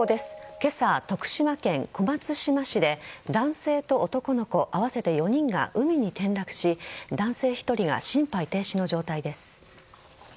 今朝、徳島県小松島市で男性と男の子合わせて４人が海に転落し男性１人が心肺停止の状態です。